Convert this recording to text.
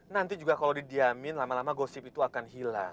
nanti juga kalau didiamin lama lama gosip itu akan hilang